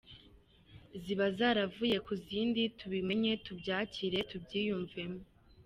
ziba zaravuye kuzindi tubimenye tubyakire tubyiyumvemo,” .